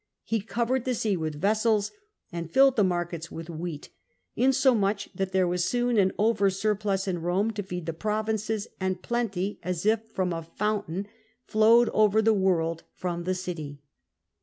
He covered the sea with vessels and filled the markets with wheat, insomuch that there was soon an overplus in Borne to feed the provinces, and plenty, as if from a fountain POMPEY EEOKGANISES CORN SUPPLY 271 flowed OTer the world from the city."